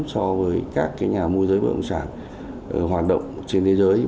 so với các nhà môi giới bất động sản hoạt động trên thế giới